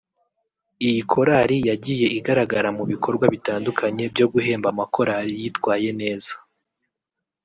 Iyi Korali yagiye igaragara mu bikorwa bitandukanye byo guhemba amakorali yitwaye neza